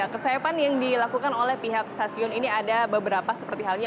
kesiapan yang dilakukan oleh pihak stasiun ini ada beberapa seperti halnya